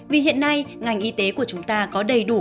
cho thai ngành y tế của chúng ta có đầy đủ